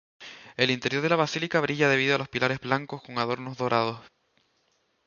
El interior de la basílica brilla debido a los pilares blancos con adornos dorados.